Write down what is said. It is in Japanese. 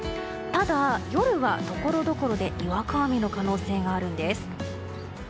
ただ、夜はところどころでにわか雨の可能性があるんです。